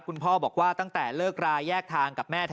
คุณพ่อบอกว่าตั้งแต่เลิกราแยกทางกับแม่เธอ